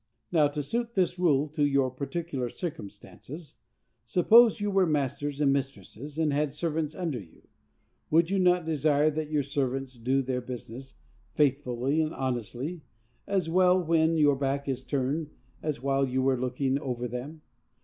Now, to suit this rule to your particular circumstances, suppose you were masters and mistresses, and had servants under you: would you not desire that your servants should do their business faithfully and honestly, as well when your back was turned as while you were looking over them?